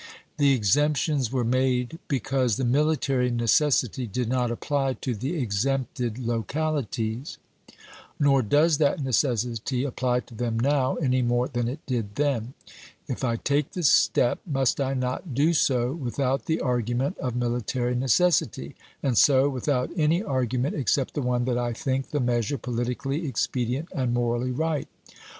The exemptions were made because the military necessity did not apply to the exempted THE EDICT OF FKEEDOM 435 localities. Nor does that necessity apply to them now chap. xix. any more than it did then. 11 1 take the step must I not do so without the argument of military necessity, and so without any argument except the one that I think the measure politically expedient and morally right